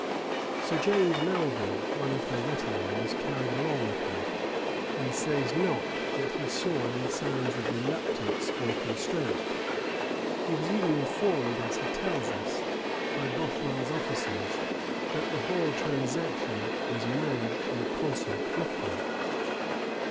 Sir James Melvil, one of her retinue, was carried along with her, and says not that he saw any signs of reluctance or constraint; he was even informed, as he tells us, by Bothwell's officers, that the whole transaction was managed in concert with her.